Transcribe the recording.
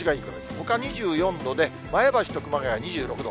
ほか２４度で、前橋と熊谷は２６度。